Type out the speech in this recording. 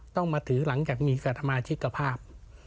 ต้องมาถือหลังจากมีสัตว์ธรรมชิกภาพ